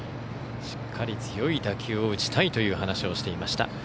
しっかり強い打球を打ちたいと話をしていました。